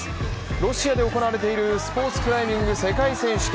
ロシアで行われているスポ−ツクライミング世界選手権。